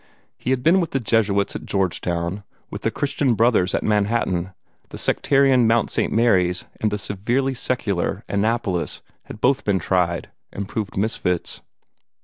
He had been with the Jesuits at Georgetown, with the Christian Brothers at Manhattan; the sectarian Mt. St. Mary's and the severely secular Annapolis had both been tried, and proved misfits.